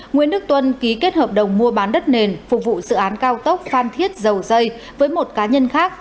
nguyễn đức tuân ký kết hợp đồng mua bán đất nền phục vụ dự án cao tốc phan thiết dầu dây với một cá nhân khác